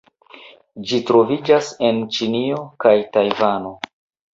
Ĝi troviĝas en Ĉinio kaj Tajvano.